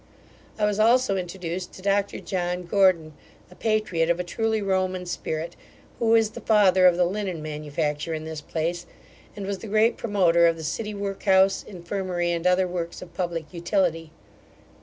I was also introduced to Dr John Gordon, a patriot of a truly Roman spirit, who is the father of the linen manufacture in this place, and was the great promoter of the city workhouse, infirmary, and other works of public utility.